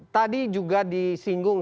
tadi juga disinggung